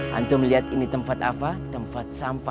hantu melihat ini tempat apa tempat sampah